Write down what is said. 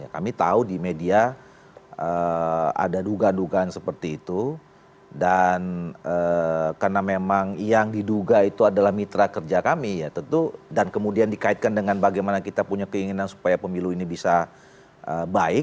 kami tahu di media ada duga dugaan seperti itu dan karena memang yang diduga itu adalah mitra kerja kami ya tentu dan kemudian dikaitkan dengan bagaimana kita punya keinginan supaya pemilu ini bisa baik